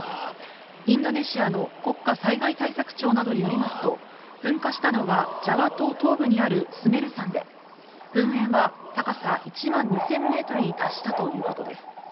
インドネシアの国家災害対策庁などによりますと、噴火したのはジャワ島東部にあるスメル山で、噴煙は高さ１万２０００ｍに達したということです。